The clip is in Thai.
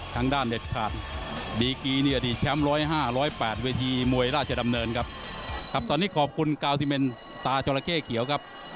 ตาจอลาเก้เกี่ยวกับ